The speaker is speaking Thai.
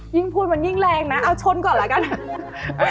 ยิ่งพูดมันยิ่งแรงนะเอาชนก่อนแล้วกัน